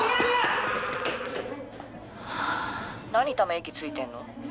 何ため息ついてんの？